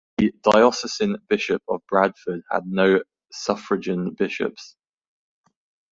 The diocesan Bishop of Bradford had no suffragan bishops.